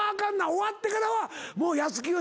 終わってからはもうやすきよ